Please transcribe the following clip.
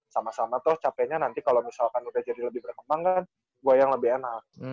sama sama tuh capeknya nanti kalau misalkan udah jadi lebih berkembang kan gue yang lebih enak